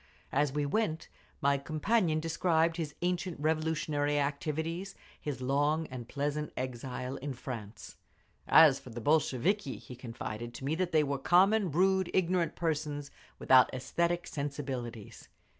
As we went my companion described his ancient revolutionary activities, his long and pleasant exile in France…. As for the Bolsheviki, he confided to me that they were common, rude, ignorant persons, without aesthetic sensibilities.